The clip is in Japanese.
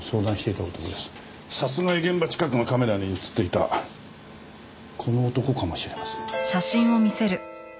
殺害現場近くのカメラに映っていたこの男かもしれません。